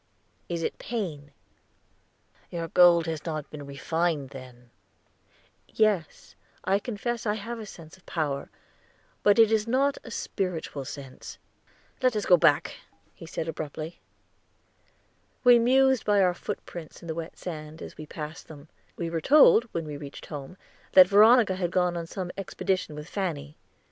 It is pain." "Your gold has not been refined then." "Yes, I confess I have a sense of power; but it is not a spiritual sense." "Let us go back," he said abruptly. We mused by our footprints in the wet sand, as we passed them. We were told when we reached home that Veronica had gone on some expedition with Fanny.